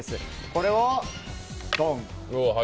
これを、トン。